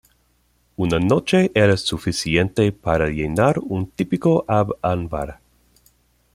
Una noche era suficiente para llenar un típico ab anbar.